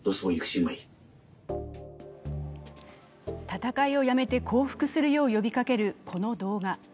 戦いをやめて降伏するよう呼びかける、この動画。